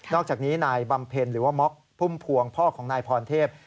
อกจากนี้นายบำเพ็ญหรือว่าม็อกพุ่มพวงพ่อของนายพรเทพ